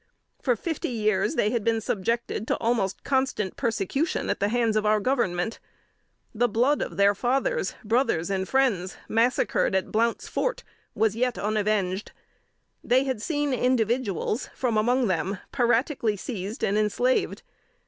For fifty years they had been subjected to almost constant persecution at the hands of our Government. The blood of their fathers, brothers and friends, massacred at "Blount's Fort," was yet unavenged. They had seen individuals from among them piratically seized and enslaved.